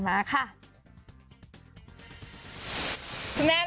แม่โบกับน้องมะลิยอมรับแม่โบกับน้องมะลิยอมรับ